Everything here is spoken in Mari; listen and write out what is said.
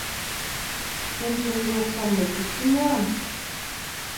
Кум теҥге оксам мый кушто муам?